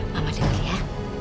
mama dulu ya